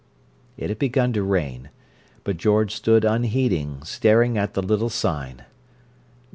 It had begun to rain, but George stood unheeding, staring at the little sign.